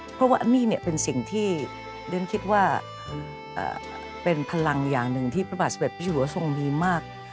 เพราะว่านี่เป็นสิ่งที่เดินคิดว่าเป็นพลังอย่างหนึ่งที่พระบาทศัพท์ประชุมศัพท์มีมาก